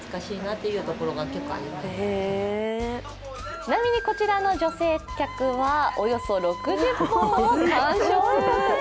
ちなみにこちらの女性客はおよそ６０本を完食。